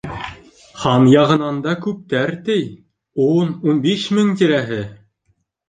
— Һан яғынан да күптәр, ти, ун-ун биш мең тирәһе...